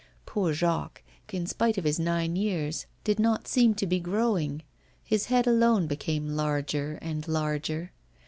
Poor Jacques, in spite of his nine years, did not seem to be growing; his head alone became larger and larger.